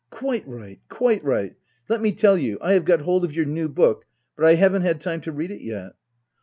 Quite right, quite right. Let me tell you, I have got hold of your new book; but I haven't had time to read it yet.